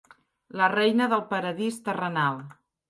La reina del paradís terrenal.